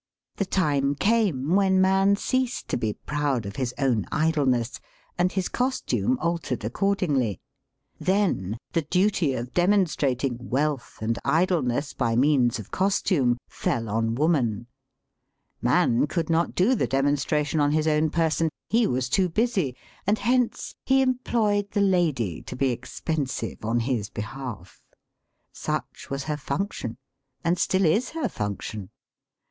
The time came when man ceased to be proud of his own idleness, and his costume altered accord ingly. Then the duty of demonstrating wealth and idleness by means of costume fell on woman. Man could not do the demonstration on his own person — ^he was too busy — and hence he em ployed the lady to be expensive on his behalf. Such was her function, and still is her fimction.